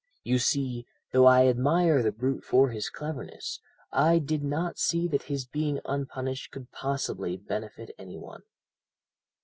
You see, though I admire the brute for his cleverness, I did not see that his being unpunished could possibly benefit any one.